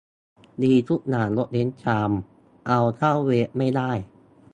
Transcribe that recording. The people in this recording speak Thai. ดีทุกอย่าง ยกเว้นชามเอาเข้าเวฟไม่ได้